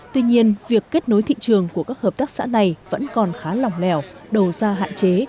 tuy nhiên việc kết nối thị trường của các hợp tác xã này vẫn còn khá lỏng lẻo đầu ra hạn chế